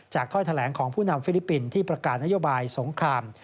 ถ้อยแถลงของผู้นำฟิลิปปินส์ที่ประกาศนโยบายสงคราม